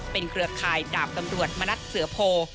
เป็นเครือข่ายดาบตำรวจมณัฐเสือโพ